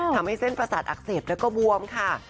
ทำให้เส้นประสาทอักเสบแล้วก็บวมค่ะ